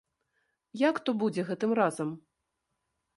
Як то будзе гэтым разам?